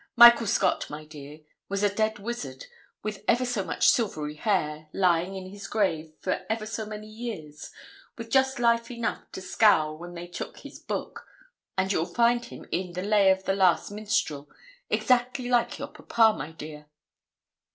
Michael Scott, my dear, was a dead wizard, with ever so much silvery hair, lying in his grave for ever so many years, with just life enough to scowl when they took his book; and you'll find him in the "Lay of the Last Minstrel," exactly like your papa, my dear.